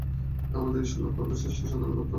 আমাদের ঈশ্বরলাভ করবার চেষ্টা ও সাধনা করতে হবে।